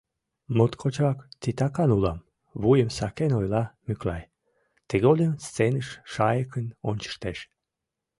— Моткочак титакан улам, — вуйым сакен ойла Мӱклай, тыгодым сценыш шайыкын ончыштеш.